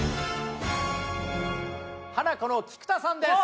ハナコの菊田さんです。